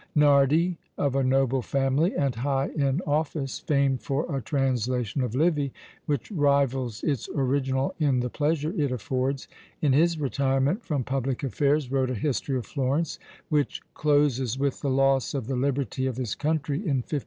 Nardi, of a noble family and high in office, famed for a translation of Livy which rivals its original in the pleasure it affords, in his retirement from public affairs wrote a history of Florence, which closes with the loss of the liberty of his country in 1531.